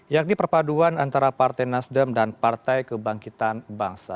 yakni perpaduan antara partai nasdem dan partai kebangkitan bangsa